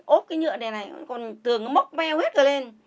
ốp cái nhựa này này còn tường nó móc veo hết rồi lên